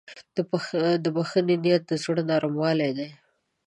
د بښنې نیت د زړه نرموالی دی.